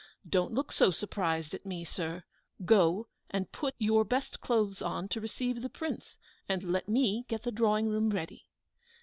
Don't look so surprised at me, sir; go and put your best clothes on to receive the Prince, and let me get the drawing room ready."